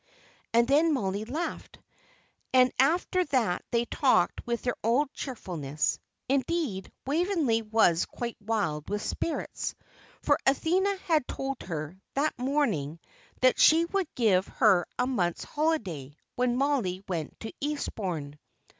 And then Mollie laughed. And after that they talked with their old cheerfulness. Indeed, Waveney was quite wild with spirits. For Althea had told her, that morning, that she would give her a month's holiday, when Mollie went to Eastbourne.